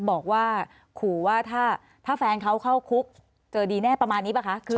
บอกว่าขู่ว่าถ้าแฟนเขาเข้าคุกเจอดีแน่ประมาณนี้ป่ะคะ